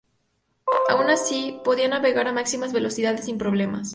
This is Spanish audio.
Aun así, podía navegar a máxima velocidad sin problemas.